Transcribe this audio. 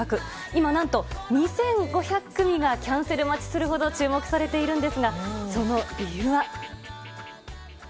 今、何と２５００組がキャンセル待ちするほど注目されているんですがその理由は。